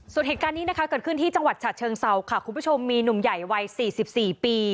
ส่วนเหตุการณ์นี้นะคะเกิดขึ้นที่จังหวัดฉะเชิงเซาค่ะคุณผู้ชมมีหนุ่มใหญ่วัย๔๔ปี